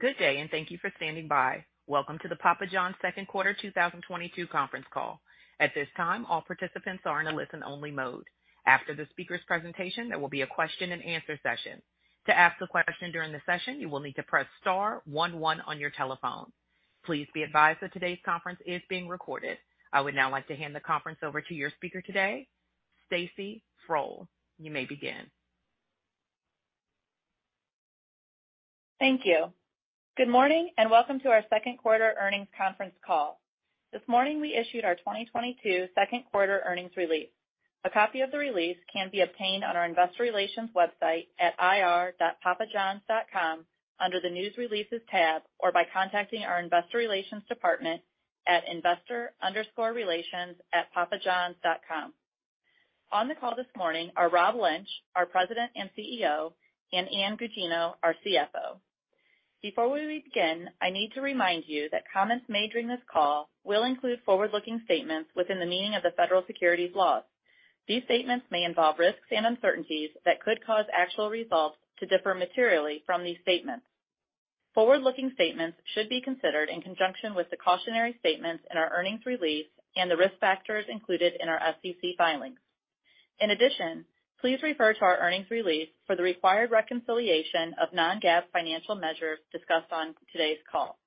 Good day, and thank you for standing by. Welcome to the Papa Johns second quarter 2022 conference call. At this time, all participants are in a listen-only mode. After the speaker's presentation, there will be a question and answer session. To ask a question during the session, you will need to press star one one on your telephone. Please be advised that today's conference is being recorded. I would now like to hand the conference over to your speaker today, Stacy Frole. You may begin. Thank you. Good morning, and welcome to our second quarter earnings conference call. This morning, we issued our 2022 second quarter earnings release. A copy of the release can be obtained on our investor relations website at ir.papajohns.com under the News Releases tab, or by contacting our investor relations department at investor_relations@papajohns.com. On the call this morning are Rob Lynch, our President and CEO, and Ann Gugino, our CFO. Before we begin, I need to remind you that comments made during this call will include forward-looking statements within the meaning of the federal securities laws. These statements may involve risks and uncertainties that could cause actual results to differ materially from these statements. Forward-looking statements should be considered in conjunction with the cautionary statements in our earnings release and the risk factors included in our SEC filings. In addition, please refer to our earnings release for the required reconciliation of non-GAAP financial measures discussed on today's call.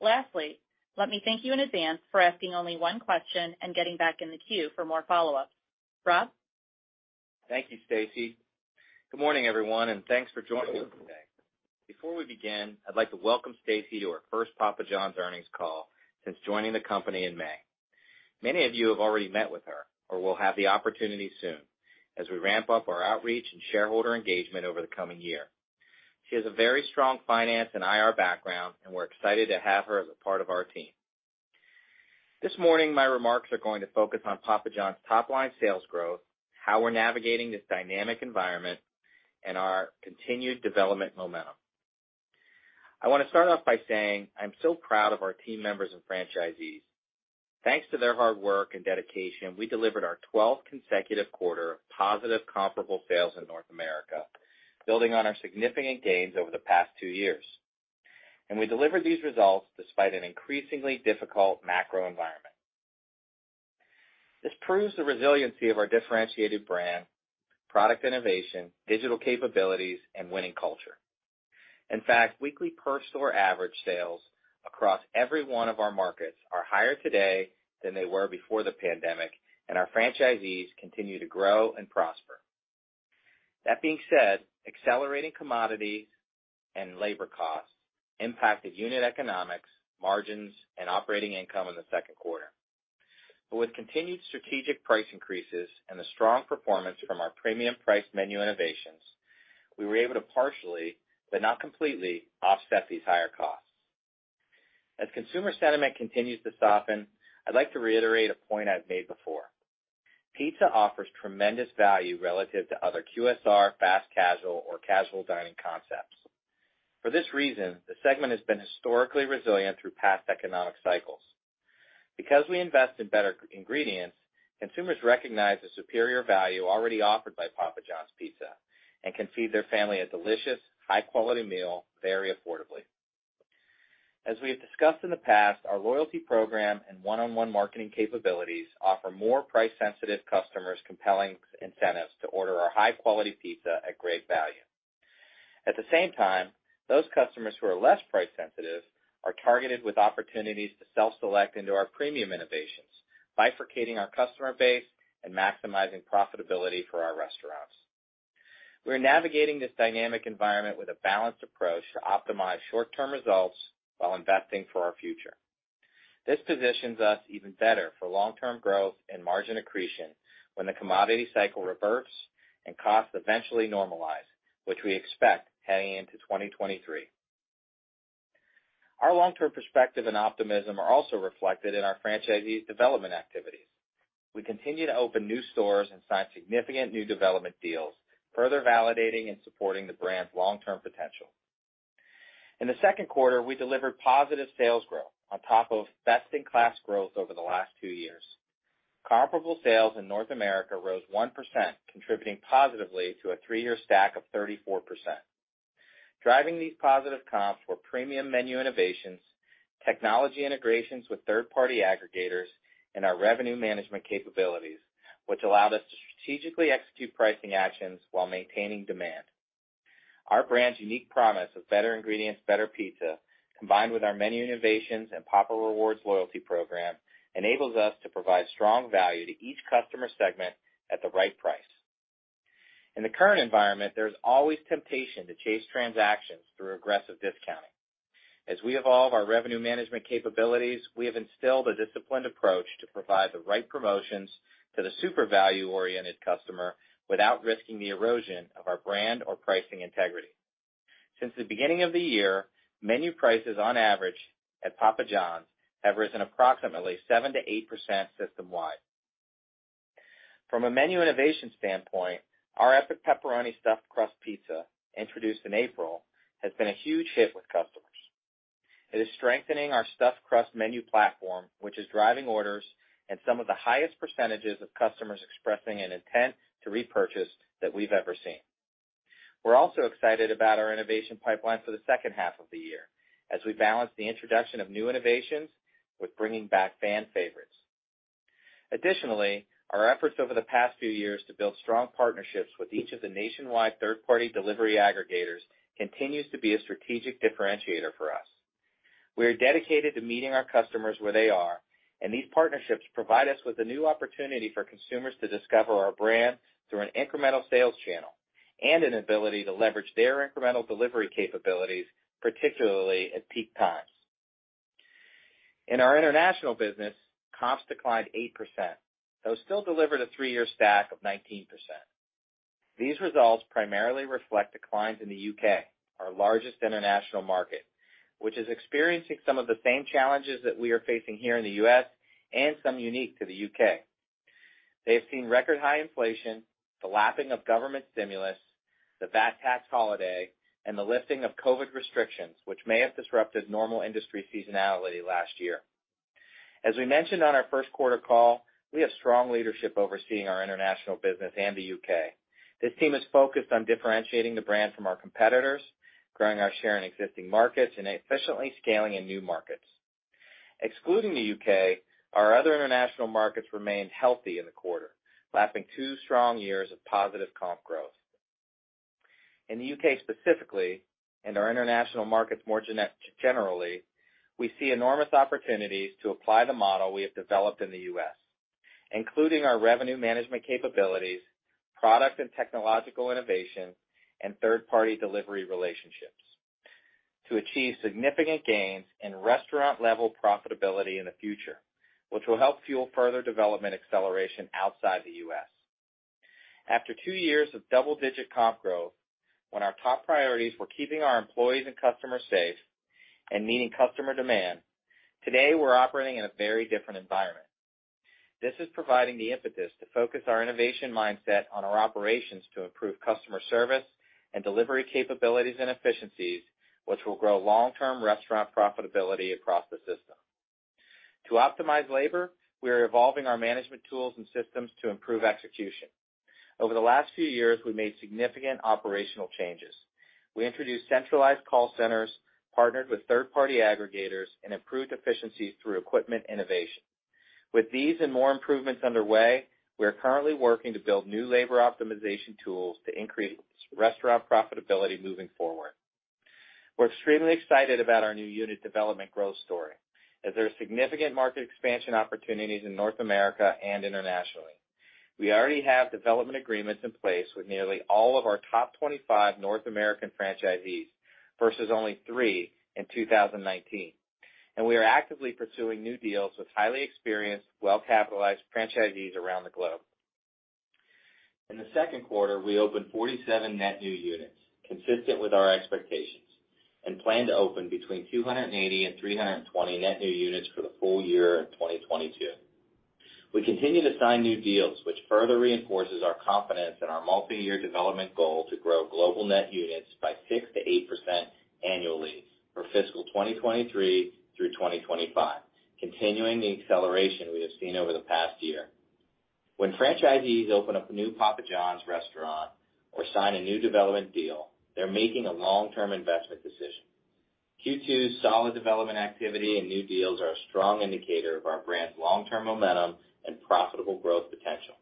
Lastly, let me thank you in advance for asking only one question and getting back in the queue for more follow-ups. Rob? Thank you, Stacy. Good morning, everyone, and thanks for joining us today. Before we begin, I'd like to welcome Stacy to her first Papa Johns earnings call since joining the company in May. Many of you have already met with her or will have the opportunity soon as we ramp up our outreach and shareholder engagement over the coming year. She has a very strong finance and IR background, and we're excited to have her as a part of our team. This morning, my remarks are going to focus on Papa Johns top-line sales growth, how we're navigating this dynamic environment, and our continued development momentum. I wanna start off by saying I'm so proud of our team members and franchisees. Thanks to their hard work and dedication, we delivered our twelfth consecutive quarter of positive comparable sales in North America, building on our significant gains over the past two years. We delivered these results despite an increasingly difficult macro environment. This proves the resiliency of our differentiated brand, product innovation, digital capabilities, and winning culture. In fact, weekly per store average sales across every one of our markets are higher today than they were before the pandemic, and our franchisees continue to grow and prosper. That being said, accelerating commodity and labor costs impacted unit economics, margins, and operating income in the second quarter. With continued strategic price increases and the strong performance from our premium priced menu innovations, we were able to partially, but not completely, offset these higher costs. As consumer sentiment continues to soften, I'd like to reiterate a point I've made before. Pizza offers tremendous value relative to other QSR, fast casual, or casual dining concepts. For this reason, the segment has been historically resilient through past economic cycles. Because we invest in better ingredients, consumers recognize the superior value already offered by Papa Johns Pizza and can feed their family a delicious, high-quality meal very affordably. As we have discussed in the past, our loyalty program and one-on-one marketing capabilities offer more price-sensitive customers compelling incentives to order our high-quality pizza at great value. At the same time, those customers who are less price sensitive are targeted with opportunities to self-select into our premium innovations, bifurcating our customer base and maximizing profitability for our restaurants. We're navigating this dynamic environment with a balanced approach to optimize short-term results while investing for our future. This positions us even better for long-term growth and margin accretion when the commodity cycle reverts and costs eventually normalize, which we expect heading into 2023. Our long-term perspective and optimism are also reflected in our franchisee development activities. We continue to open new stores and sign significant new development deals, further validating and supporting the brand's long-term potential. In the second quarter, we delivered positive sales growth on top of best-in-class growth over the last two years. Comparable sales in North America rose 1%, contributing positively to a 3-year stack of 34%. Driving these positive comps were premium menu innovations, technology integrations with third-party aggregators, and our revenue management capabilities, which allowed us to strategically execute pricing actions while maintaining demand. Our brand's unique promise of better ingredients, better pizza, combined with our menu innovations and Papa Rewards loyalty program, enables us to provide strong value to each customer segment at the right price. In the current environment, there is always temptation to chase transactions through aggressive discounting. As we evolve our revenue management capabilities, we have instilled a disciplined approach to provide the right promotions to the super value-oriented customer without risking the erosion of our brand or pricing integrity. Since the beginning of the year, menu prices on average at Papa Johns have risen approximately 7%-8% system-wide. From a menu innovation standpoint, our Epic Pepperoni-Stuffed Crust Pizza, introduced in April, has been a huge hit with customers. It is strengthening our stuffed crust menu platform, which is driving orders and some of the highest percentages of customers expressing an intent to repurchase that we've ever seen. We're also excited about our innovation pipeline for the second half of the year as we balance the introduction of new innovations with bringing back fan favorites. Additionally, our efforts over the past few years to build strong partnerships with each of the nationwide third-party delivery aggregators continues to be a strategic differentiator for us. We are dedicated to meeting our customers where they are, and these partnerships provide us with a new opportunity for consumers to discover our brand through an incremental sales channel and an ability to leverage their incremental delivery capabilities, particularly at peak times. In our international business, costs declined 8%, though still delivered a three-year stack of 19%. These results primarily reflect declines in the U.K., our largest international market, which is experiencing some of the same challenges that we are facing here in the U.S. and some unique to the U.K. They have seen record high inflation, the lapping of government stimulus, the VAT tax holiday, and the lifting of COVID restrictions, which may have disrupted normal industry seasonality last year. As we mentioned on our first quarter call, we have strong leadership overseeing our international business and the U.K. This team is focused on differentiating the brand from our competitors, growing our share in existing markets, and efficiently scaling in new markets. Excluding the U.K., our other international markets remained healthy in the quarter, lapping two strong years of positive comp growth. In the U.K. specifically, and our international markets more generally, we see enormous opportunities to apply the model we have developed in the U.S., including our revenue management capabilities, product and technological innovation, and third-party delivery relationships to achieve significant gains in restaurant-level profitability in the future, which will help fuel further development acceleration outside the U.S. After two years of double-digit comp growth, when our top priorities were keeping our employees and customers safe and meeting customer demand, today we're operating in a very different environment. This is providing the impetus to focus our innovation mindset on our operations to improve customer service and delivery capabilities and efficiencies, which will grow long-term restaurant profitability across the system. To optimize labor, we are evolving our management tools and systems to improve execution. Over the last few years, we made significant operational changes. We introduced centralized call centers, partnered with third-party aggregators, and improved efficiencies through equipment innovation. With these and more improvements underway, we are currently working to build new labor optimization tools to increase restaurant profitability moving forward. We're extremely excited about our new unit development growth story as there are significant market expansion opportunities in North America and internationally. We already have development agreements in place with nearly all of our top 25 North American franchisees versus only three in 2019, and we are actively pursuing new deals with highly experienced, well-capitalized franchisees around the globe. In the second quarter, we opened 47 net new units, consistent with our expectations, and plan to open between 280 and 320 net new units for the full year in 2022. We continue to sign new deals, which further reinforces our confidence in our multi-year development goal to grow global net units by 6%-8% annually for fiscal 2023 through 2025, continuing the acceleration we have seen over the past year. When franchisees open up a new Papa Johns restaurant or sign a new development deal, they're making a long-term investment decision. Q2's solid development activity and new deals are a strong indicator of our brand's long-term momentum and profitable growth potential.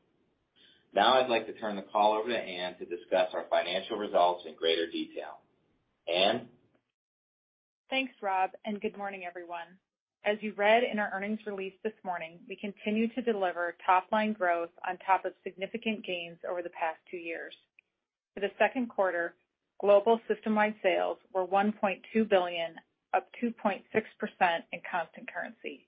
Now I'd like to turn the call over to Ann to discuss our financial results in greater detail. Ann? Thanks, Rob, and good morning, everyone. As you read in our earnings release this morning, we continue to deliver top-line growth on top of significant gains over the past two years. For the second quarter, global system-wide sales were $1.2 billion, up 2.6% in constant currency.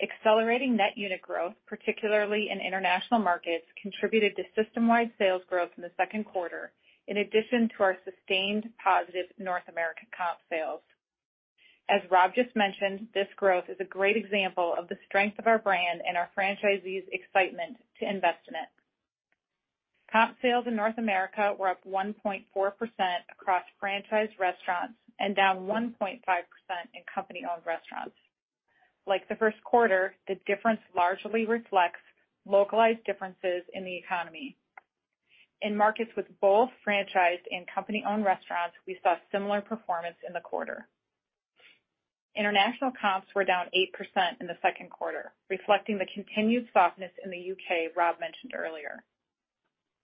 Accelerating net unit growth, particularly in international markets, contributed to system-wide sales growth in the second quarter, in addition to our sustained positive North American comp sales. As Rob just mentioned, this growth is a great example of the strength of our brand and our franchisees' excitement to invest in it. Comp sales in North America were up 1.4% across franchise restaurants and down 1.5% in company-owned restaurants. Like the first quarter, the difference largely reflects localized differences in the economy. In markets with both franchised and company-owned restaurants, we saw similar performance in the quarter. International comps were down 8% in the second quarter, reflecting the continued softness in the UK Rob mentioned earlier.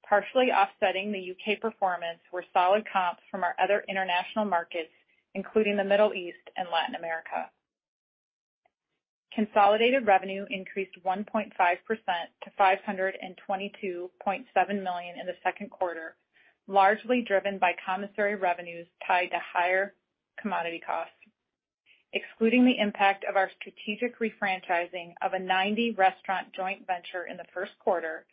Partially offsetting the UK performance were solid comps from our other international markets, including the Middle East and Latin America. Consolidated revenue increased 1.5% to $522.7 million in the second quarter, largely driven by commissary revenues tied to higher commodity costs. Excluding the impact of our strategic refranchising of a 90-restaurant joint venture in the first quarter,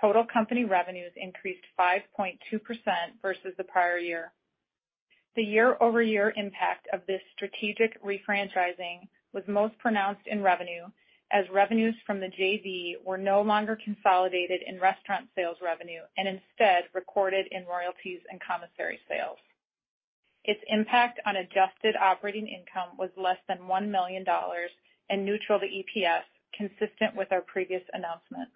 total company revenues increased 5.2% versus the prior year. The year-over-year impact of this strategic refranchising was most pronounced in revenue, as revenues from the JV were no longer consolidated in restaurant sales revenue and instead recorded in royalties and commissary sales. Its impact on adjusted operating income was less than $1 million and neutral to EPS, consistent with our previous announcement.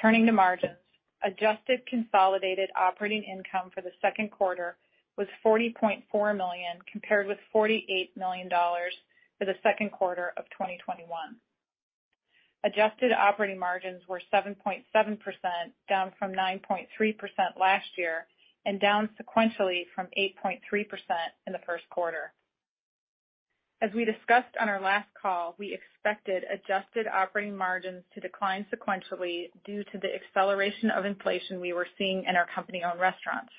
Turning to margins. Adjusted consolidated operating income for the second quarter was $40.4 million, compared with $48 million for the second quarter of 2021. Adjusted operating margins were 7.7%, down from 9.3% last year, and down sequentially from 8.3% in the first quarter. As we discussed on our last call, we expected adjusted operating margins to decline sequentially due to the acceleration of inflation we were seeing in our company-owned restaurants.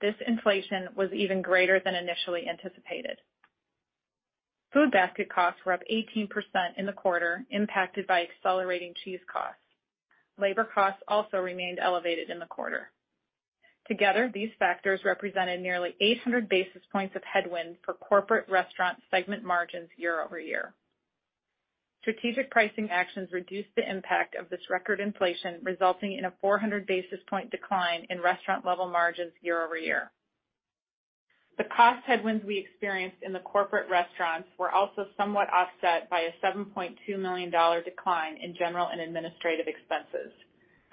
This inflation was even greater than initially anticipated. Food basket costs were up 18% in the quarter, impacted by accelerating cheese costs. Labor costs also remained elevated in the quarter. Together, these factors represented nearly 800 basis points of headwind for corporate restaurant segment margins year-over-year. Strategic pricing actions reduced the impact of this record inflation, resulting in a 400 basis points decline in restaurant level margins year-over-year. The cost headwinds we experienced in the corporate restaurants were also somewhat offset by a $7.2 million decline in general and administrative expenses.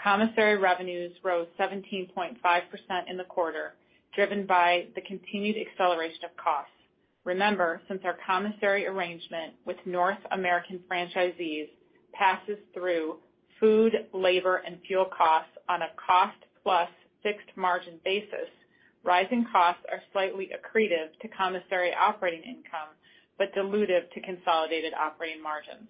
Commissary revenues rose 17.5% in the quarter, driven by the continued acceleration of costs. Remember, since our commissary arrangement with North American franchisees passes through food, labor, and fuel costs on a cost plus fixed margin basis, rising costs are slightly accretive to commissary operating income, but dilutive to consolidated operating margins.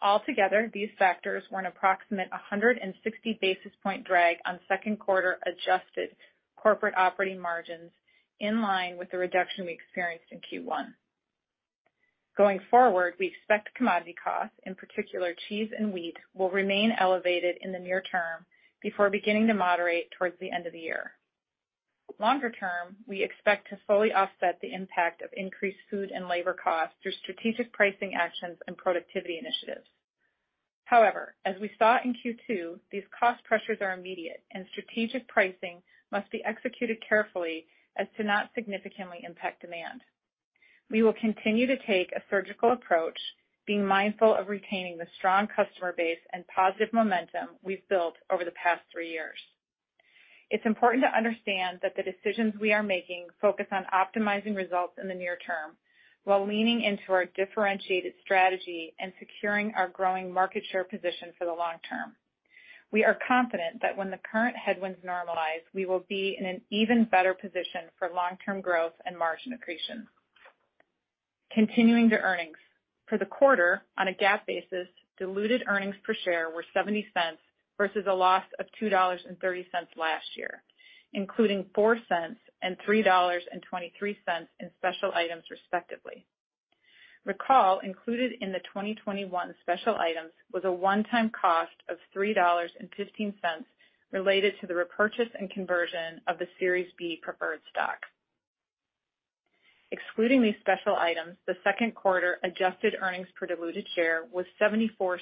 Altogether, these factors were an approximate 160 basis points drag on second quarter adjusted corporate operating margins in line with the reduction we experienced in Q1. Going forward, we expect commodity costs, in particular cheese and wheat, will remain elevated in the near term before beginning to moderate towards the end of the year. Longer term, we expect to fully offset the impact of increased food and labor costs through strategic pricing actions and productivity initiatives. However, as we saw in Q2, these cost pressures are immediate, and strategic pricing must be executed carefully as to not significantly impact demand. We will continue to take a surgical approach, being mindful of retaining the strong customer base and positive momentum we've built over the past three years. It's important to understand that the decisions we are making focus on optimizing results in the near term while leaning into our differentiated strategy and securing our growing market share position for the long term. We are confident that when the current headwinds normalize, we will be in an even better position for long-term growth and margin accretion. Continuing to earnings. For the quarter, on a GAAP basis, diluted earnings per share were $0.70 versus a loss of $2.30 last year, including $0.04 and $3.23 in special items respectively. Recall included in the 2021 special items was a one-time cost of $3.15 related to the repurchase and conversion of the Series B preferred stock. Excluding these special items, the second quarter adjusted earnings per diluted share was $0.74,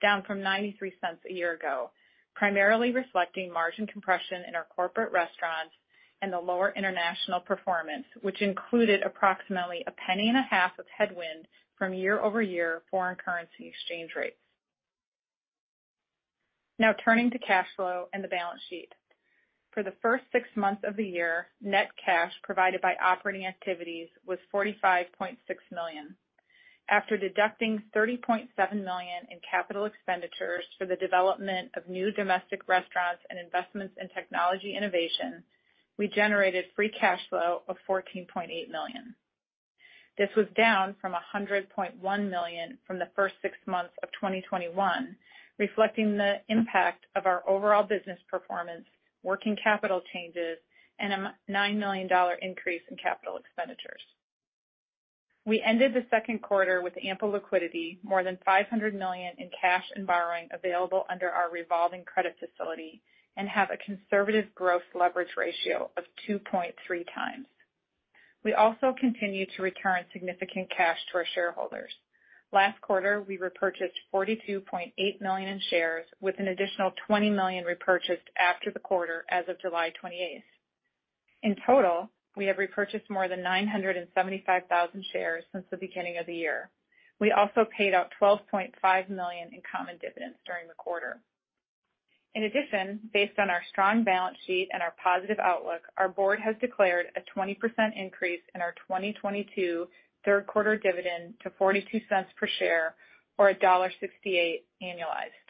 down from $0.93 a year ago, primarily reflecting margin compression in our corporate restaurants and the lower international performance, which included approximately $0.015 of headwind from year-over-year foreign currency exchange rates. Now turning to cash flow and the balance sheet. For the first six months of the year, net cash provided by operating activities was $45.6 million. After deducting $30.7 million in capital expenditures for the development of new domestic restaurants and investments in technology innovation, we generated free cash flow of $14.8 million. This was down from $100.1 million from the first six months of 2021, reflecting the impact of our overall business performance, working capital changes, and a $9 million increase in capital expenditures. We ended the second quarter with ample liquidity, more than $500 million in cash and borrowing available under our revolving credit facility, and have a conservative growth leverage ratio of 2.3 times. We also continue to return significant cash to our shareholders. Last quarter, we repurchased $42.8 million in shares with an additional $20 million repurchased after the quarter as of July 28. In total, we have repurchased more than 975,000 shares since the beginning of the year. We also paid out $12.5 million in common dividends during the quarter. In addition, based on our strong balance sheet and our positive outlook, our board has declared a 20% increase in our 2022 third quarter dividend to $0.42 per share or $1.68 annualized.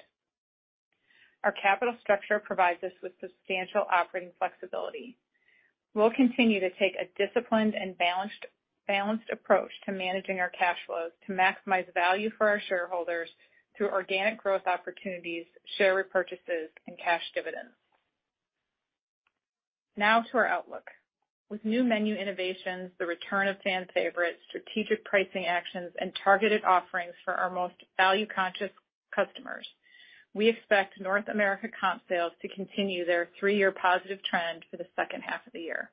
Our capital structure provides us with substantial operating flexibility. We'll continue to take a disciplined and balanced approach to managing our cash flows to maximize value for our shareholders through organic growth opportunities, share repurchases and cash dividends. Now to our outlook. With new menu innovations, the return of fan favorites, strategic pricing actions, and targeted offerings for our most value-conscious customers, we expect North America comp sales to continue their three-year positive trend for the second half of the year.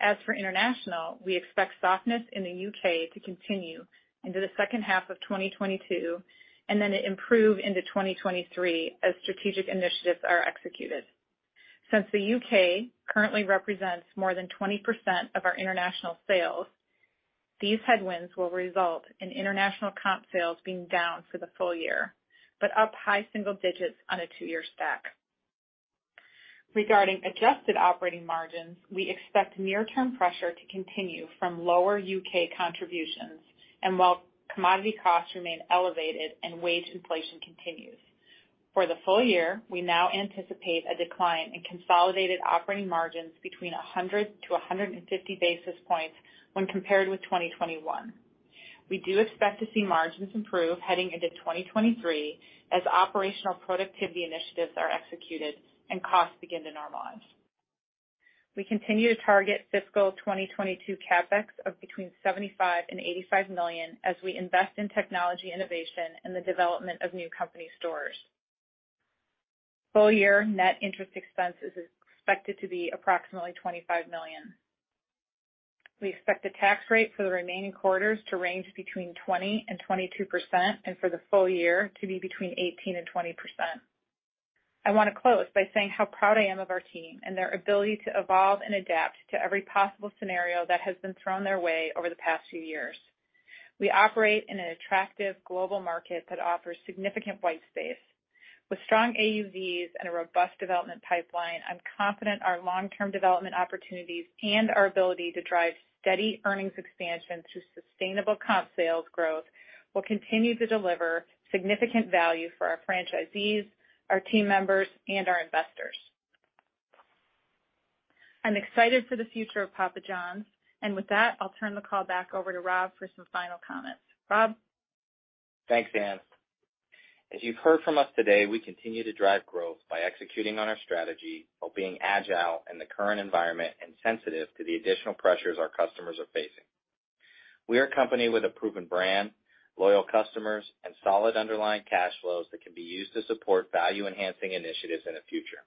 As for international, we expect softness in the UK to continue into the second half of 2022, and then it improve into 2023 as strategic initiatives are executed. Since the UK currently represents more than 20% of our international sales, these headwinds will result in international comp sales being down for the full year, but up high single digits on a two-year stack. Regarding adjusted operating margins, we expect near-term pressure to continue from lower UK contributions and while commodity costs remain elevated and wage inflation continues. For the full year, we now anticipate a decline in consolidated operating margins between 100 basis points-150 basis points when compared with 2021. We do expect to see margins improve heading into 2023 as operational productivity initiatives are executed and costs begin to normalize. We continue to target fiscal 2022 CapEx of between $75 million-$85 million as we invest in technology innovation and the development of new company stores. Full year net interest expense is expected to be approximately $25 million. We expect the tax rate for the remaining quarters to range between 20%-22%, and for the full year to be between 18%-20%. I want to close by saying how proud I am of our team and their ability to evolve and adapt to every possible scenario that has been thrown their way over the past few years. We operate in an attractive global market that offers significant white space. With strong AUVs and a robust development pipeline, I'm confident our long-term development opportunities and our ability to drive steady earnings expansion through sustainable comp sales growth will continue to deliver significant value for our franchisees, our team members, and our investors. I'm excited for the future of Papa Johns. With that, I'll turn the call back over to Rob for some final comments. Rob? Thanks, Ann. As you've heard from us today, we continue to drive growth by executing on our strategy while being agile in the current environment and sensitive to the additional pressures our customers are facing. We are a company with a proven brand, loyal customers, and solid underlying cash flows that can be used to support value-enhancing initiatives in the future.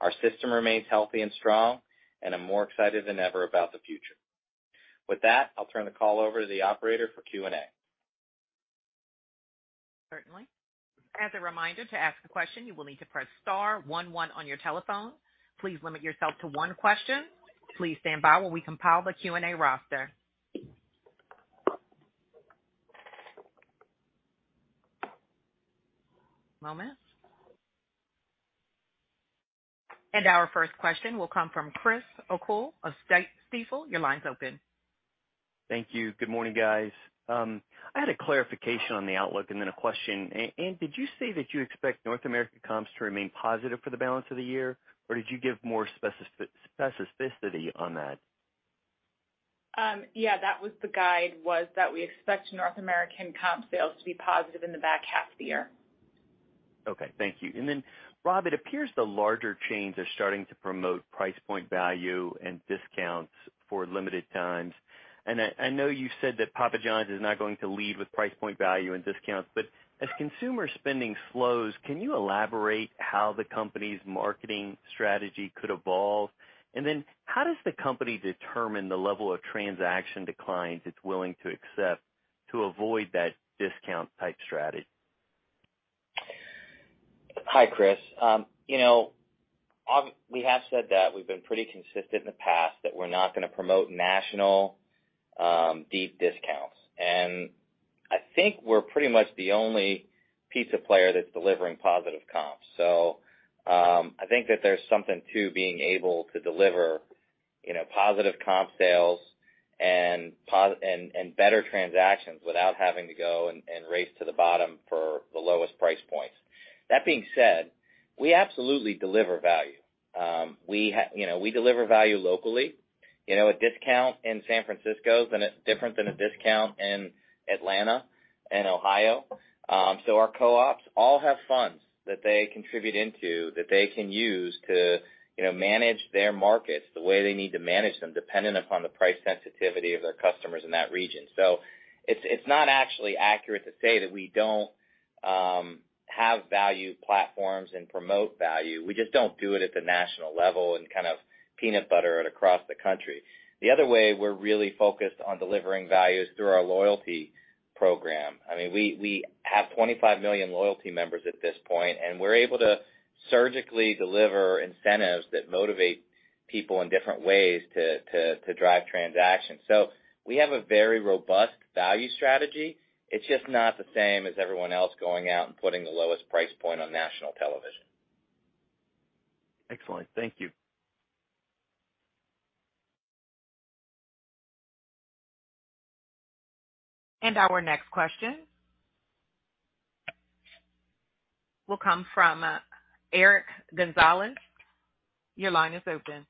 Our system remains healthy and strong, and I'm more excited than ever about the future. With that, I'll turn the call over to the operator for Q&A. Certainly. As a reminder, to ask a question, you will need to press star one one on your telephone. Please limit yourself to one question. Please stand by while we compile the Q&A roster. One moment. Our first question will come from Chris O'Cull of Stifel. Your line's open. Thank you. Good morning, guys. I had a clarification on the outlook and then a question. Ann, did you say that you expect North America comps to remain positive for the balance of the year, or did you give more specificity on that? Yeah, that was the guide that we expect North American comp sales to be positive in the back half of the year. Okay, thank you. Then Rob, it appears the larger chains are starting to promote price point value and discounts for limited times. I know you said that Papa Johns is not going to lead with price point value and discounts. As consumer spending slows, can you elaborate how the company's marketing strategy could evolve? Then how does the company determine the level of transaction declines it's willing to accept to avoid that discount type strategy? Hi, Chris. You know, we have said that we've been pretty consistent in the past that we're not gonna promote national deep discounts. I think we're pretty much the only pizza player that's delivering positive comps. I think that there's something to being able to deliver, you know, positive comp sales and better transactions without having to go and race to the bottom for the lowest price points. That being said, we absolutely deliver value. You know, we deliver value locally. You know, a discount in San Francisco is different than a discount in Atlanta and Ohio. Our co-ops all have funds that they contribute into that they can use to, you know, manage their markets the way they need to manage them, dependent upon the price sensitivity of their customers in that region. It's not actually accurate to say that we don't have value platforms and promote value. We just don't do it at the national level and kind of peanut butter it across the country. The other way we're really focused on delivering value is through our loyalty program. I mean, we have 25 million loyalty members at this point, and we're able to surgically deliver incentives that motivate people in different ways to drive transactions. We have a very robust value strategy. It's just not the same as everyone else going out and putting the lowest price point on national television. Excellent. Thank you. Our next question will come from Eric Gonzalez. Your line is open.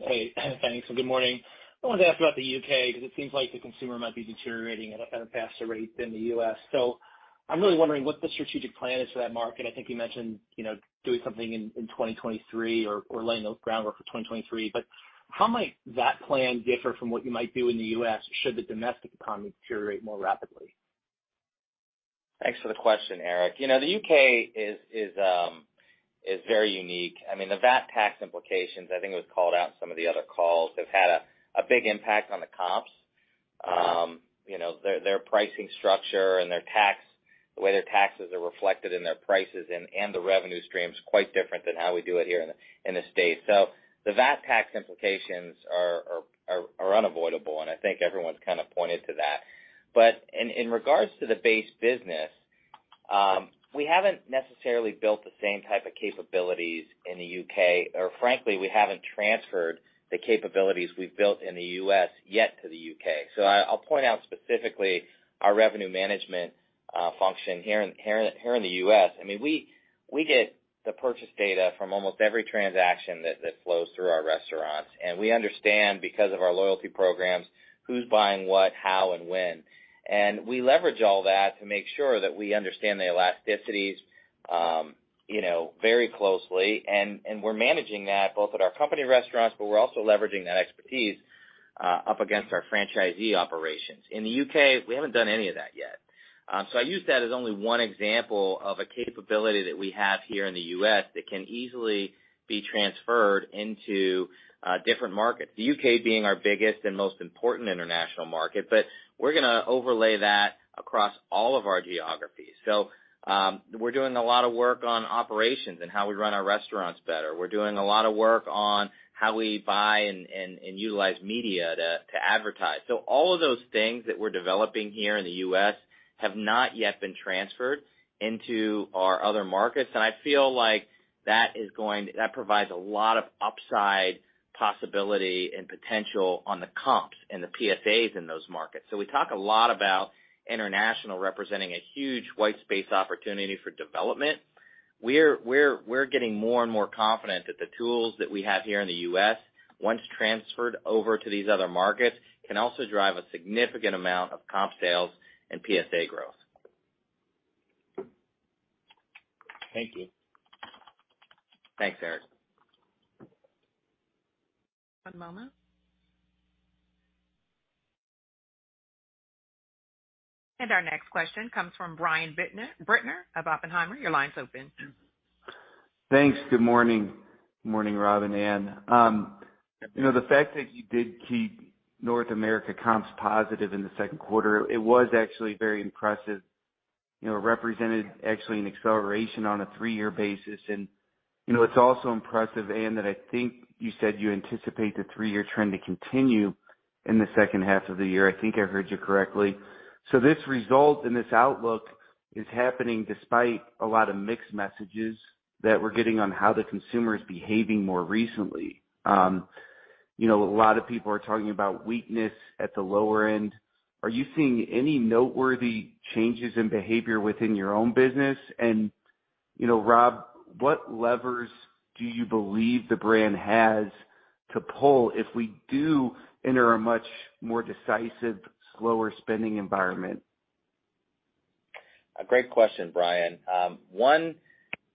Hey, thanks. Good morning. I wanted to ask about the U.K., because it seems like the consumer might be deteriorating at a faster rate than the U.S. I'm really wondering what the strategic plan is for that market. I think you mentioned, you know, doing something in 2023 or laying the groundwork for 2023. How might that plan differ from what you might do in the U.S. should the domestic economy deteriorate more rapidly? Thanks for the question, Eric. You know, the U.K. is very unique. I mean, the VAT tax implications, I think it was called out in some of the other calls, have had a big impact on the comps. You know, their pricing structure and their tax, the way their taxes are reflected in their prices and the revenue stream is quite different than how we do it here in the States. The VAT tax implications are unavoidable, and I think everyone's kind of pointed to that. In regards to the base business, we haven't necessarily built the same type of capabilities in the U.K., or frankly, we haven't transferred the capabilities we've built in the U.S. yet to the U.K. I'll point out specifically our revenue management function here in the U.S. I mean, we get the purchase data from almost every transaction that flows through our restaurants. We understand because of our loyalty programs, who's buying what, how and when. We leverage all that to make sure that we understand the elasticities, you know, very closely. We're managing that both at our company restaurants, but we're also leveraging that expertise up against our franchisee operations. In the U.K., we haven't done any of that yet. I use that as only one example of a capability that we have here in the U.S. that can easily be transferred into different markets, the U.K. being our biggest and most important international market. We're gonna overlay that across all of our geographies. We're doing a lot of work on operations and how we run our restaurants better. We're doing a lot of work on how we buy and utilize media to advertise. All of those things that we're developing here in the US have not yet been transferred into our other markets. I feel like that provides a lot of upside possibility and potential on the comps and the PSAs in those markets. We talk a lot about international representing a huge white space opportunity for development. We're getting more and more confident that the tools that we have here in the US, once transferred over to these other markets, can also drive a significant amount of comp sales and PSA growth. Thank you. Thanks, Eric. One moment. Our next question comes from Brian Bittner of Oppenheimer. Your line's open. Thanks. Good morning. Morning, Rob and Anne. You know, the fact that you did keep North America comps positive in the second quarter, it was actually very impressive. You know, represented actually an acceleration on a three-year basis. You know, it's also impressive, Anne, that I think you said you anticipate the three-year trend to continue in the second half of the year. I think I heard you correctly. This result and this outlook is happening despite a lot of mixed messages that we're getting on how the consumer is behaving more recently. You know, a lot of people are talking about weakness at the lower end. Are you seeing any noteworthy changes in behavior within your own business? You know, Rob, what levers do you believe the brand has to pull if we do enter a much more decisive, slower spending environment? A great question, Brian. One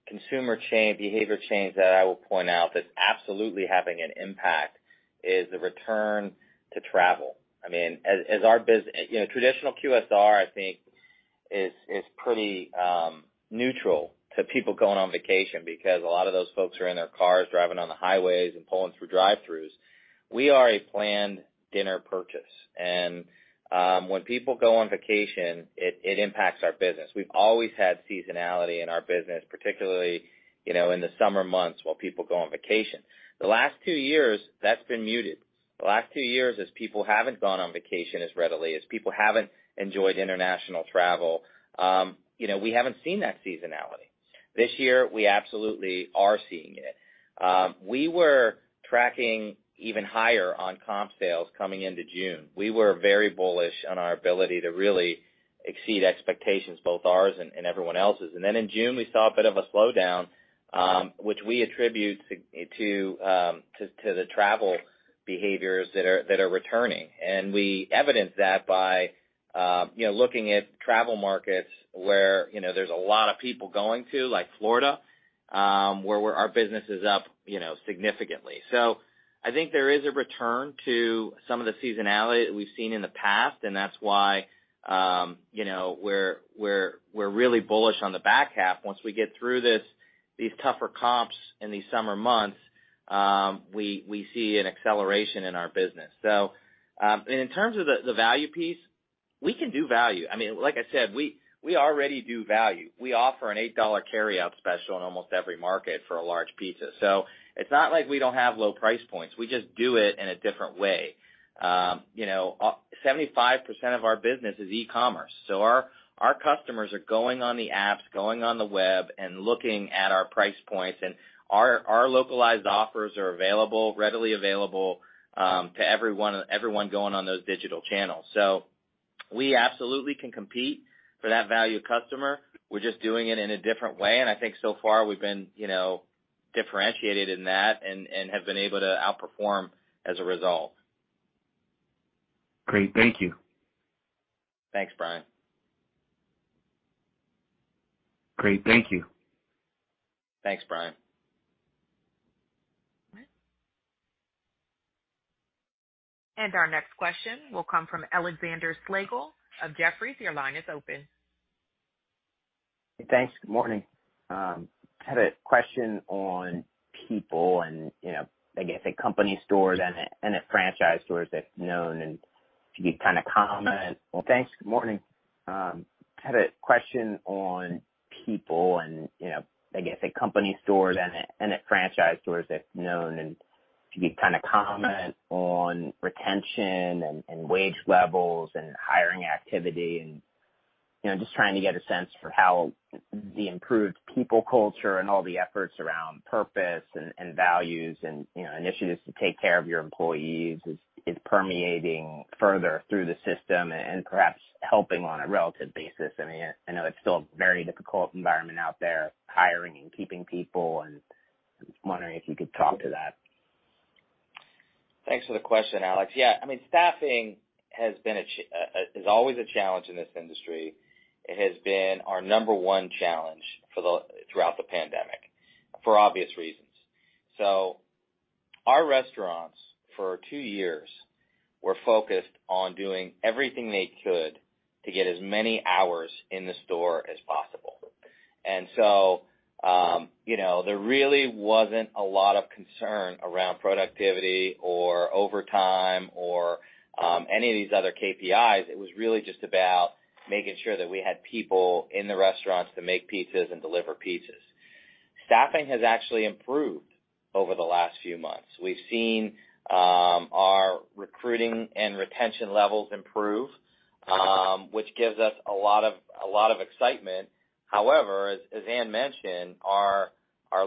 consumer change, behavior change that I will point out that's absolutely having an impact is the return to travel. I mean, as our business, you know, traditional QSR, I think is pretty neutral to people going on vacation because a lot of those folks are in their cars driving on the highways and pulling through drive-thrus. We are a planned dinner purchase. When people go on vacation, it impacts our business. We've always had seasonality in our business, particularly, you know, in the summer months while people go on vacation. The last two years, that's been muted. The last two years, as people haven't gone on vacation as readily, as people haven't enjoyed international travel, you know, we haven't seen that seasonality. This year, we absolutely are seeing it. We were tracking even higher on comp sales coming into June. We were very bullish on our ability to really exceed expectations, both ours and everyone else's. In June, we saw a bit of a slowdown, which we attribute to the travel behaviors that are returning. We evidence that by you know, looking at travel markets where you know, there's a lot of people going to, like Florida, where our business is up you know, significantly. I think there is a return to some of the seasonality that we've seen in the past, and that's why you know, we're really bullish on the back half. Once we get through these tougher comps in these summer months, we see an acceleration in our business. In terms of the value piece, we can do value. I mean, like I said, we already do value. We offer an $8 carry out special in almost every market for a large pizza. It's not like we don't have low price points. We just do it in a different way. You know, 75% of our business is e-commerce, so our customers are going on the apps, going on the web and looking at our price points. Our localized offers are available, readily available, to everyone going on those digital channels. We absolutely can compete for that value customer. We're just doing it in a different way. I think so far we've been, you know, differentiated in that and have been able to outperform as a result. Great. Thank you. Thanks, Brian. Great. Thank you. Thanks, Brian. Our next question will come from Alexander Slagle of Jefferies. Your line is open. Thanks. Good morning. Had a question on people and, you know, I guess, at company stores and at franchise stores, if known, and if you could kind of comment on retention and wage levels and hiring activity and, you know, just trying to get a sense for how the improved people culture and all the efforts around purpose and values and, you know, initiatives to take care of your employees is permeating further through the system and perhaps helping on a relative basis. I mean, I know it's still a very difficult environment out there, hiring and keeping people, and was wondering if you could talk to that. Thanks for the question, Alex. Yeah, I mean, staffing is always a challenge in this industry. It has been our number one challenge throughout the pandemic for obvious reasons. Our restaurants for two years were focused on doing everything they could to get as many hours in the store as possible. You know, there really wasn't a lot of concern around productivity or overtime or any of these other KPIs. It was really just about making sure that we had people in the restaurants to make pizzas and deliver pizzas. Staffing has actually improved over the last few months. We've seen our recruiting and retention levels improve, which gives us a lot of excitement. However, as Anne mentioned, our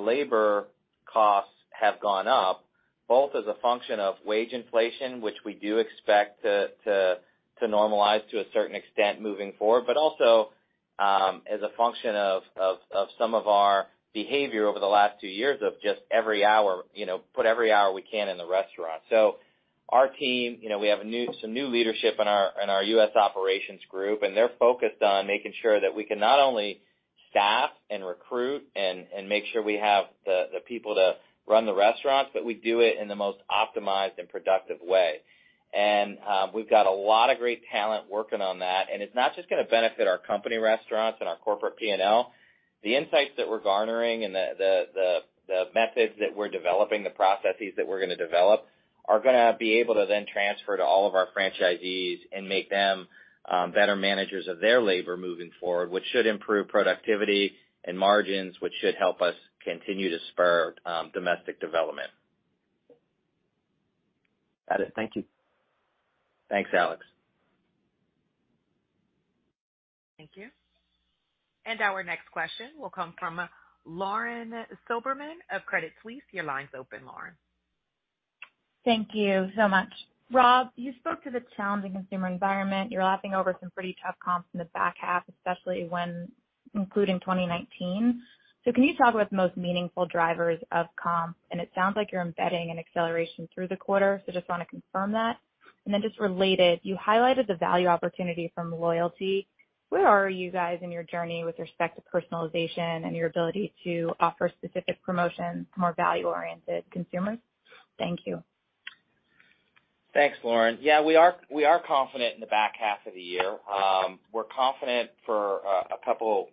labor costs have gone up both as a function of wage inflation, which we do expect to normalize to a certain extent moving forward, but also as a function of some of our behavior over the last two years of just every hour, you know, put every hour we can in the restaurant. So our team, you know, we have some new leadership in our U.S. operations group, and they're focused on making sure that we can not only staff and recruit and make sure we have the people to run the restaurants, but we do it in the most optimized and productive way. We've got a lot of great talent working on that, and it's not just gonna benefit our company restaurants and our corporate P&L. The insights that we're garnering and the methods that we're developing, the processes that we're gonna develop are gonna be able to then transfer to all of our franchisees and make them better managers of their labor moving forward, which should improve productivity and margins, which should help us continue to spur domestic development. Got it. Thank you. Thanks, Alex. Thank you. Our next question will come from Lauren Silberman of Credit Suisse. Your line's open, Lauren. Thank you so much. Rob, you spoke to the challenging consumer environment. You're lapping over some pretty tough comps in the back half, especially when including 2019. Can you talk about the most meaningful drivers of comps? It sounds like you're embedding an acceleration through the quarter. Just wanna confirm that. Then just related, you highlighted the value opportunity from loyalty. Where are you guys in your journey with respect to personalization and your ability to offer specific promotions to more value-oriented consumers? Thank you. Thanks, Lauren. Yeah, we are confident in the back half of the year. We're confident for a couple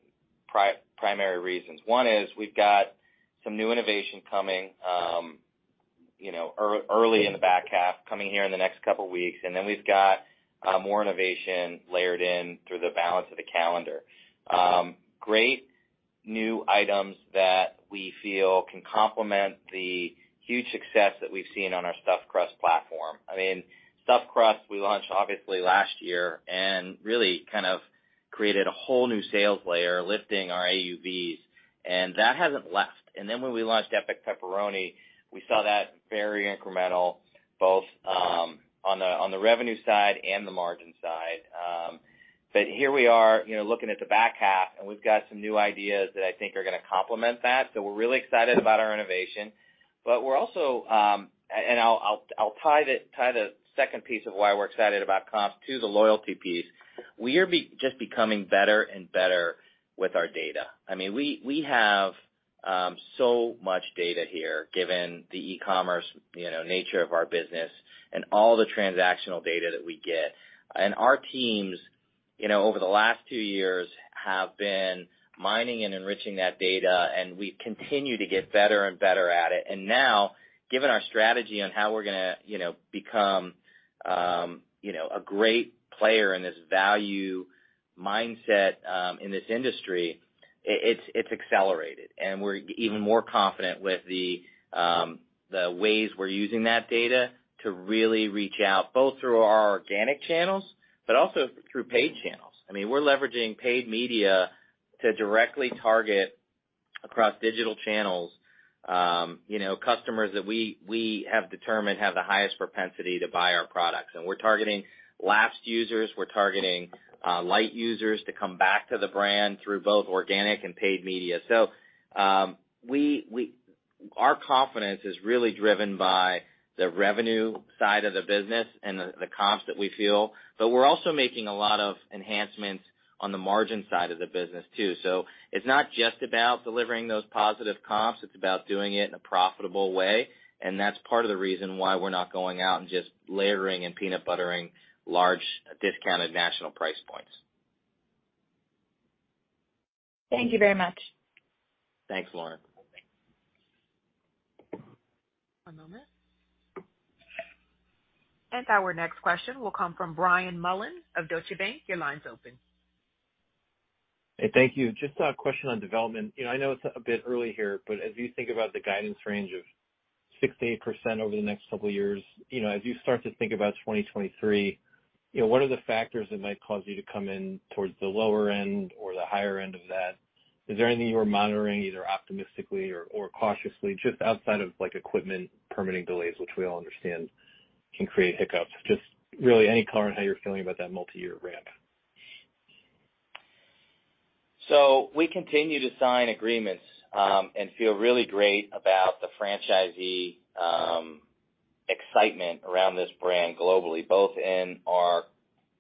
primary reasons. One is we've got some new innovation coming, you know, early in the back half, coming here in the next couple weeks. We've got more innovation layered in through the balance of the calendar. Great new items that we feel can complement the huge success that we've seen on our stuffed crust platform. I mean, stuffed crust we launched obviously last year and really kind of created a whole new sales layer lifting our AUVs, and that hasn't left. When we launched Epic Pepperoni, we saw that very incremental both on the revenue side and the margin side. Here we are, you know, looking at the back half, and we've got some new ideas that I think are gonna complement that. We're really excited about our innovation, but we're also, and I'll tie the second piece of why we're excited about comps to the loyalty piece. We are just becoming better and better with our data. I mean, we have so much data here given the e-commerce, you know, nature of our business and all the transactional data that we get. Our teams, you know, over the last two years have been mining and enriching that data, and we continue to get better and better at it. Now, given our strategy on how we're gonna, you know, become, you know, a great player in this value mindset, in this industry, it's accelerated. We're even more confident with the ways we're using that data to really reach out, both through our organic channels, but also through paid channels. I mean, we're leveraging paid media to directly target across digital channels, you know, customers that we have determined have the highest propensity to buy our products. We're targeting lapsed users, we're targeting light users to come back to the brand through both organic and paid media. Our confidence is really driven by the revenue side of the business and the comps that we feel, but we're also making a lot of enhancements on the margin side of the business too. It's not just about delivering those positive comps, it's about doing it in a profitable way, and that's part of the reason why we're not going out and just layering and peanut buttering large discounted national price points. Thank you very much. Thanks, Lauren. One moment. Our next question will come from Brian Mullan of Deutsche Bank. Your line's open. Hey, thank you. Just a question on development. You know, I know it's a bit early here, but as you think about the guidance range of 6%-8% over the next couple years, you know, as you start to think about 2023, you know, what are the factors that might cause you to come in towards the lower end or the higher end of that? Is there anything you are monitoring either optimistically or cautiously just outside of, like, equipment permitting delays, which we all understand can create hiccups? Just really any color on how you're feeling about that multiyear ramp. We continue to sign agreements and feel really great about the franchisee excitement around this brand globally, both in our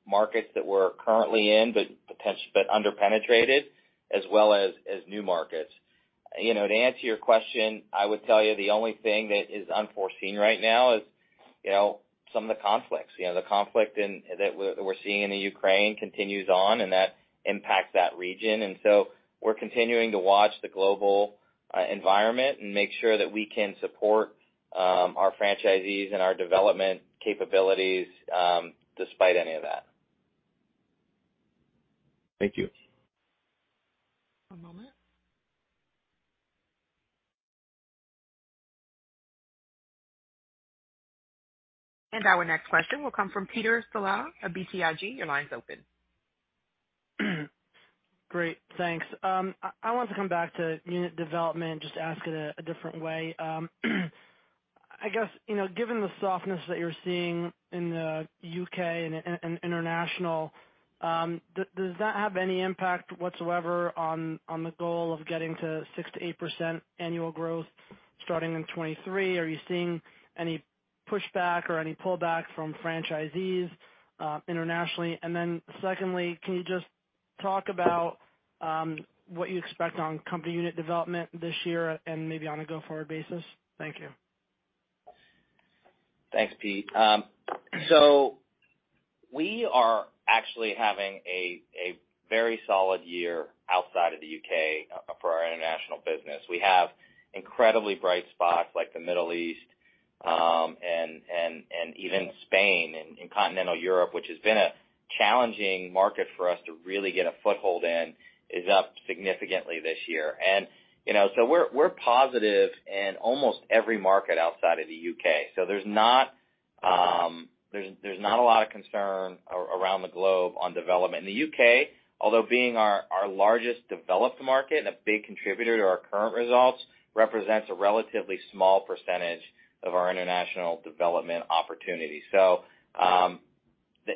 markets that we're currently in, but under-penetrated, as well as new markets. You know, to answer your question, I would tell you the only thing that is unforeseen right now is, you know, some of the conflicts. You know, the conflict that we're seeing in Ukraine continues on, and that impacts that region. We're continuing to watch the global environment and make sure that we can support our franchisees and our development capabilities despite any of that. Thank you. One moment. Our next question will come from Peter Saleh of BTIG. Your line's open. Great. Thanks. I want to come back to unit development, just ask it a different way. I guess, you know, given the softness that you're seeing in the U.K. and international, does that have any impact whatsoever on the goal of getting to 6%-8% annual growth starting in 2023? Are you seeing any pushback or any pullback from franchisees internationally? And then secondly, can you just talk about what you expect on company unit development this year and maybe on a go-forward basis? Thank you. Thanks, Pete. We are actually having a very solid year outside of the U.K. for our international business. We have incredibly bright spots like the Middle East and even Spain and in Continental Europe, which has been a challenging market for us to really get a foothold in, is up significantly this year. You know, we're positive in almost every market outside of the U.K. There's not a lot of concern around the globe on development. The U.K., although being our largest developed market and a big contributor to our current results, represents a relatively small percentage of our international development opportunities. That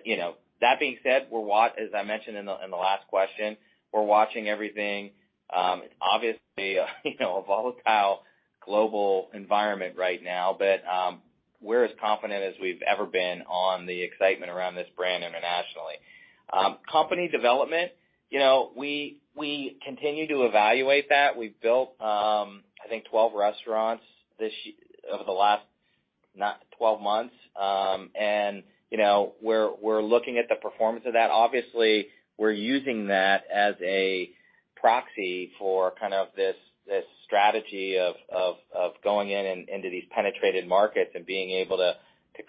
being said, as I mentioned in the last question, we're watching everything. Obviously, you know, a volatile global environment right now, but we're as confident as we've ever been on the excitement around this brand internationally. Company development, you know, we continue to evaluate that. We've built, I think 12 restaurants this year, over the last 12 months. You know, we're looking at the performance of that. Obviously, we're using that as a proxy for kind of this strategy of going in and into these underpenetrated markets and being able to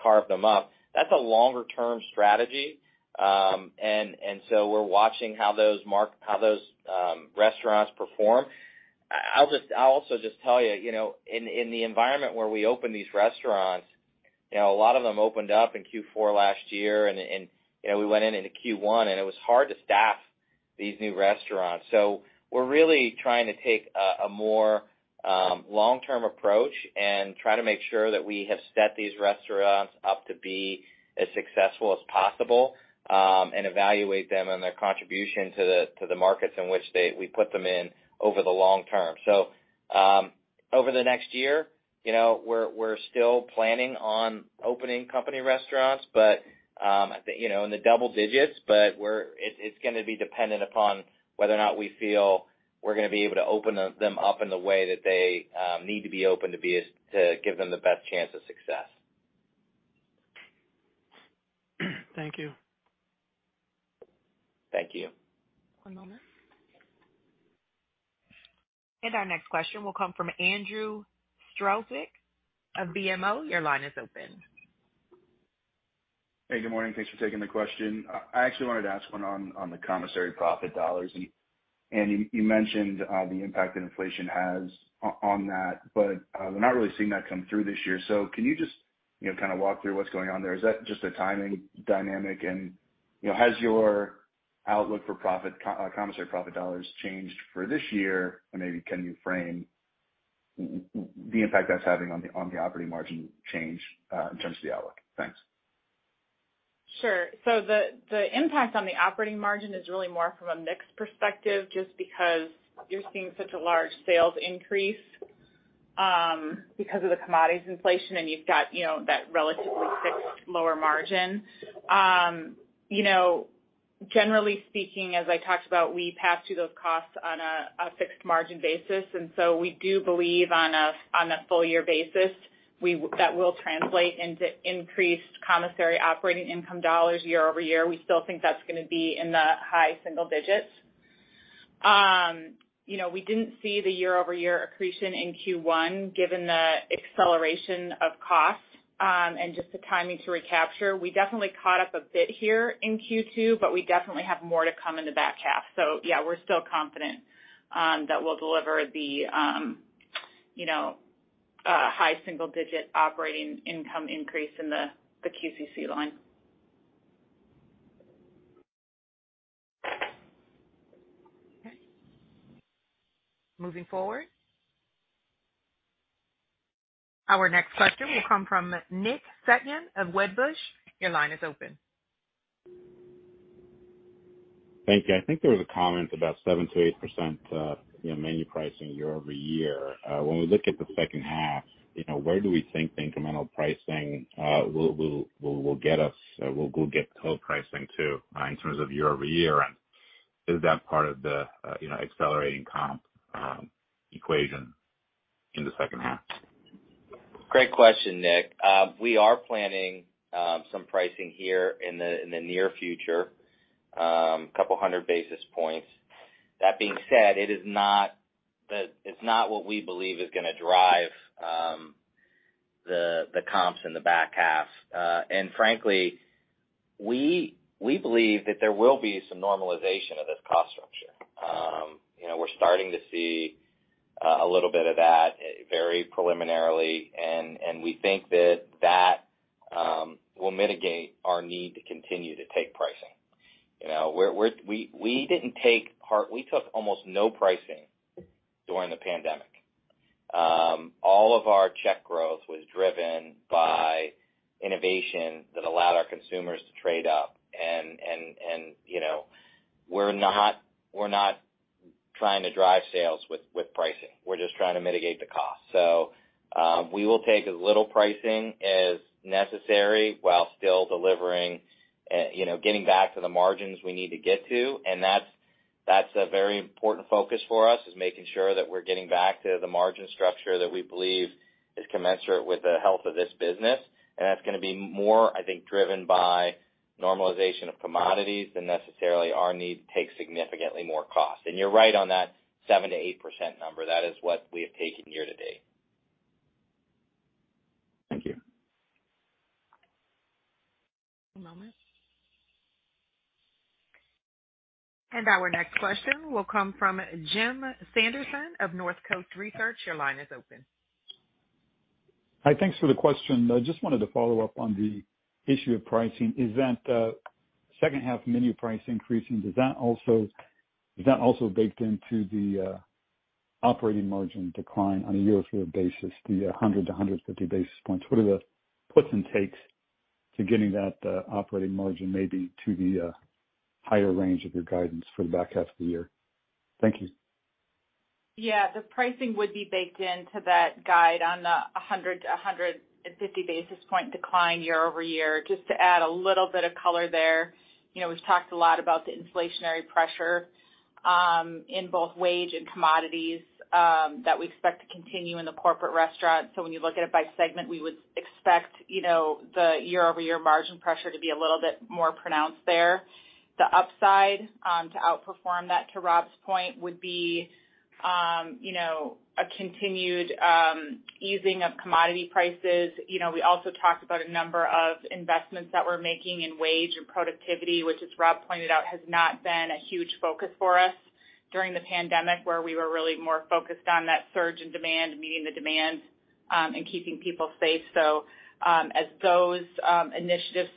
carve them up. That's a longer term strategy, and so we're watching how those restaurants perform. I'll also just tell you know, in the environment where we open these restaurants, you know, a lot of them opened up in Q4 last year and, you know, we went into Q1, and it was hard to staff these new restaurants. We're really trying to take a more long-term approach and try to make sure that we have set these restaurants up to be as successful as possible, and evaluate them and their contribution to the markets in which we put them in over the long term. Over the next year, you know, we're still planning on opening company restaurants, but, you know, in the double digits. It's gonna be dependent upon whether or not we feel we're gonna be able to open up them up in the way that they need to be opened to give them the best chance of success. Thank you. Thank you. One moment. Our next question will come from Andrew Strelzik of BMO. Your line is open. Hey, good morning. Thanks for taking the question. I actually wanted to ask one on the commissary profit dollars. You mentioned the impact that inflation has on that, but we're not really seeing that come through this year. Can you just, you know, kind of walk through what's going on there? Is that just a timing dynamic? You know, has your outlook for commissary profit dollars changed for this year? Maybe can you frame the impact that's having on the operating margin change in terms of the outlook? Thanks. Sure. The impact on the operating margin is really more from a mix perspective, just because you're seeing such a large sales increase, because of the commodities inflation and you've got, you know, that relatively fixed lower margin. You know, generally speaking, as I talked about, we pass through those costs on a fixed margin basis, and so we do believe on a full year basis, that will translate into increased commissary operating income dollars year-over-year. We still think that's gonna be in the high single digits. You know, we didn't see the year-over-year accretion in Q1, given the acceleration of cost, and just the timing to recapture. We definitely caught up a bit here in Q2, but we definitely have more to come in the back half. Yeah, we're still confident that we'll deliver, you know, high single-digit operating income increase in the QCC line. Okay. Moving forward. Our next question will come from Nick Setyan of Wedbush. Your line is open. Thank you. I think there was a comment about 7%-8%, you know, menu pricing year-over-year. When we look at the second half, you know, where do we think the incremental pricing will get total pricing too, in terms of year-over-year? Is that part of the, you know, accelerating comp equation in the second half? Great question, Nick. We are planning some pricing here in the near future, 200 basis points. That being said, it's not what we believe is gonna drive the comps in the back half. Frankly, we believe that there will be some normalization of this cost structure. You know, we're starting to see a little bit of that very preliminarily. We think that will mitigate our need to continue to take pricing. You know, we took almost no pricing during the pandemic. All of our check growth was driven by innovation that allowed our consumers to trade up. You know, we're not trying to drive sales with pricing. We're just trying to mitigate the cost..We will take as little pricing as necessary while still delivering, you know, getting back to the margins we need to get to. That's a very important focus for us, is making sure that we're getting back to the margin structure that we believe is commensurate with the health of this business. That's gonna be more, I think, driven by normalization of commodities than necessarily our need to take significantly more cost. You're right on that 7%-8% number. That is what we have taken year to date. Thank you. One moment. Our next question will come from Jim Sanderson of Northcoast Research. Your line is open. Hi. Thanks for the question. I just wanted to follow up on the issue of pricing. Is that, second half menu price increasing, does that also, is that also baked into the, operating margin decline on a year-over-year basis, the 100 basis points-150 basis points? What are the puts and takes to getting that, operating margin maybe to the, higher range of your guidance for the back half of the year? Thank you. Yeah. The pricing would be baked into that guide on the 100 basis points-150 basis point decline year-over-year. Just to add a little bit of color there, you know, we've talked a lot about the inflationary pressure in both wage and commodities that we expect to continue in the corporate restaurant. When you look at it by segment, we would expect, you know, the year-over-year margin pressure to be a little bit more pronounced there. The upside to outperform that, to Rob's point, would be, you know, a continued easing of commodity prices. You know, we also talked about a number of investments that we're making in wage and productivity, which as Rob pointed out, has not been a huge focus for us during the pandemic, where we were really more focused on that surge in demand, meeting the demand, and keeping people safe. As those initiatives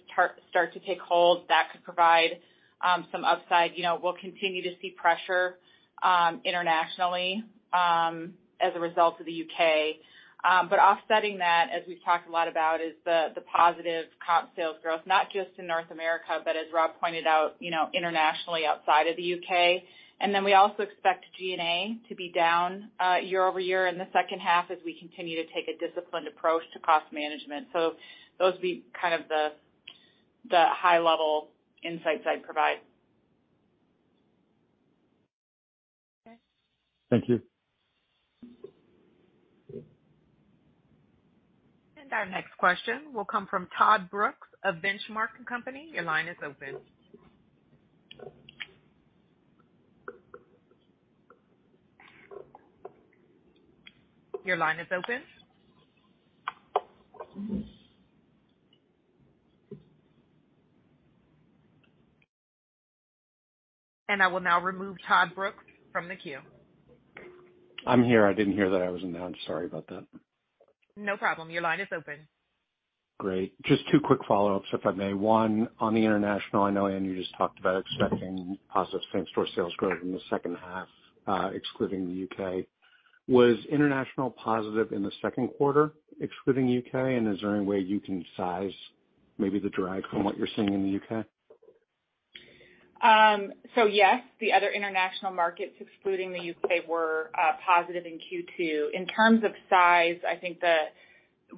start to take hold, that could provide some upside. You know, we'll continue to see pressure internationally as a result of the UK. Offsetting that, as we've talked a lot about, is the positive comp sales growth, not just in North America, but as Rob pointed out, you know, internationally outside of the UK. We also expect G&A to be down year-over-year in the second half as we continue to take a disciplined approach to cost management. Those would be kind of the high level insights I'd provide. Okay. Thank you. Our next question will come from Todd Brooks of The Benchmark Company. Your line is open. I will now remove Todd Brooks from the queue. I'm here. I didn't hear that I was unmuted. Sorry about that. No problem. Your line is open. Great. Just two quick follow-ups, if I may. One, on the international, I know Anne you just talked about expecting positive same-store sales growth in the second half, excluding the UK. Was international positive in the second quarter, excluding UK? And is there any way you can size maybe the drag from what you're seeing in the UK? Yes, the other international markets, excluding the UK, were positive in Q2. In terms of size, I think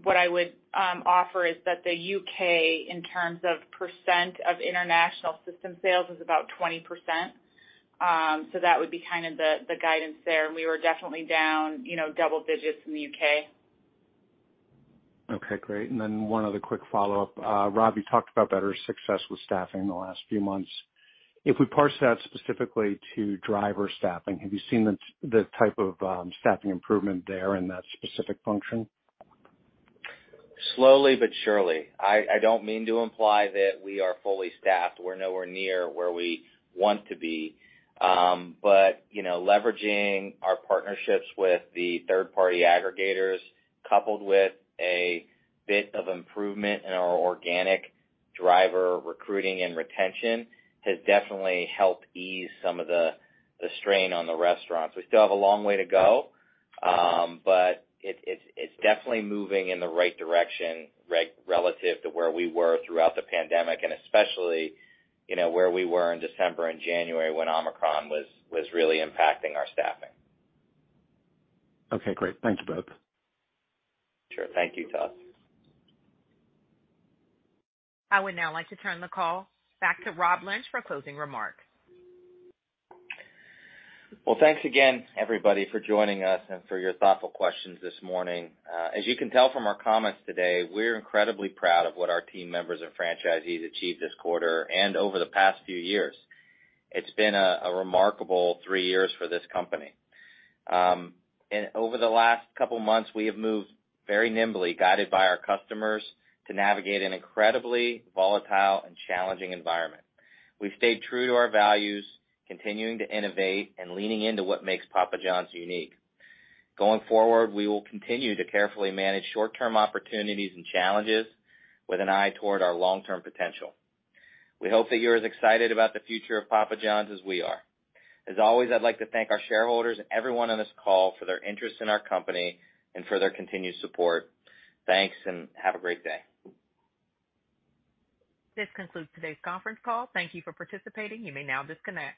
what I would offer is that the UK, in terms of percent of international system sales, is about 20%. That would be kind of the guidance there. We were definitely down, you know, double digits in the UK. Okay, great. One other quick follow-up. Rob, you talked about better success with staffing in the last few months. If we parse that specifically to driver staffing, have you seen the type of staffing improvement there in that specific function? Slowly but surely. I don't mean to imply that we are fully staffed. We're nowhere near where we want to be. You know, leveraging our partnerships with the third-party aggregators, coupled with a bit of improvement in our organic driver recruiting and retention has definitely helped ease some of the strain on the restaurants. We still have a long way to go, but it's definitely moving in the right direction relative to where we were throughout the pandemic and especially, you know, where we were in December and January when Omicron was really impacting our staffing. Okay, great. Thanks, Rob. Sure. Thank you, Todd. I would now like to turn the call back to Rob Lynch for closing remarks. Well, thanks again, everybody, for joining us and for your thoughtful questions this morning. As you can tell from our comments today, we're incredibly proud of what our team members and franchisees achieved this quarter and over the past few years. It's been a remarkable three years for this company. Over the last couple months, we have moved very nimbly, guided by our customers, to navigate an incredibly volatile and challenging environment. We've stayed true to our values, continuing to innovate and leaning into what makes Papa Johns unique. Going forward, we will continue to carefully manage short-term opportunities and challenges with an eye toward our long-term potential. We hope that you're as excited about the future of Papa Johns as we are. As always, I'd like to thank our shareholders and everyone on this call for their interest in our company and for their continued support. Thanks, and have a great day. This concludes today's conference call. Thank you for participating. You may now disconnect.